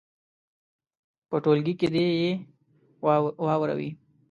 په ټولګي کې دې یې واوروي.